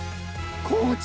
高知！